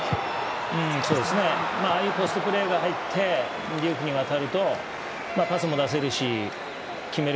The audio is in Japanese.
そうですねああいうポストプレーが入ってデュークにわたるとパスも出せるし決める